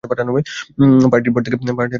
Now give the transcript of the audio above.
পার্টির পর থেকে।